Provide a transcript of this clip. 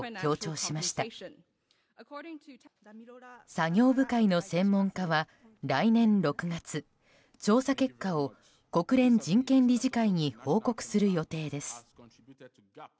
作業部会の専門家は来年６月調査結果を国連人権理事会に報告する予定です。